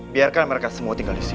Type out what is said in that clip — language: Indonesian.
biarkan mereka semua tinggal di sini